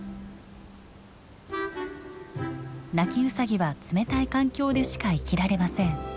ナキウサギは冷たい環境でしか生きられません。